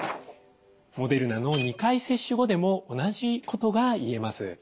モデルナの２回接種後でも同じことが言えます。